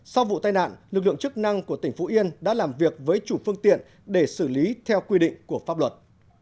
sau vụ tai nạn lực lượng chức năng của tỉnh phú yên đã làm việc với chủ phương tiện để xử lý theo quy định của pháp luật